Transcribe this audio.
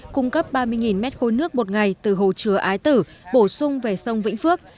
cung cấp ba mươi mét khối nước một ngày từ hồ chứa ái tử bổ sung về sông vĩnh phước